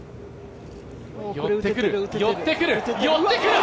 寄ってくる！